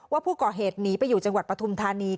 ว่าผู้ก่อเหตุหนีไปอยู่จังหวัดปฐุมธานี